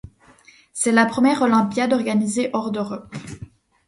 C'est la première olympiade organisée hors d'Europe.